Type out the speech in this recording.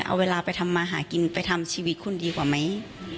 เอาเวลาไปทำมาหากินไปทำชีวิตคุณดีกว่าไหม